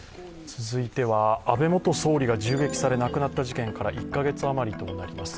続いては安倍元総理が銃撃され亡くなった事件から１カ月余りとなります。